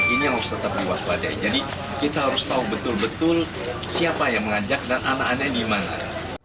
ini yang harus tetap diwaspadai jadi kita harus tahu betul betul siapa yang mengajak dan anak anaknya di mana